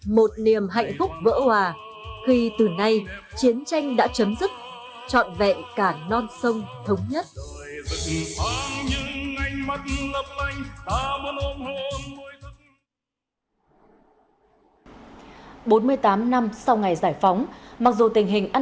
một niềm hạnh phúc vỡ hòa khi từ nay chiến tranh đã chấm dứt